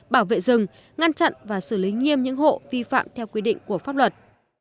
bảo vệ rừng ngăn chặn và xử lý nghiêm những hộ vi phạm theo quy định của pháp luật